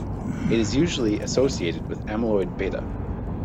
It is usually associated with amyloid beta.